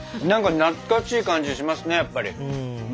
なんか懐かしい感じしますねやっぱり。